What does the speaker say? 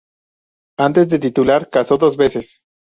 Antes de titular casó dos veces.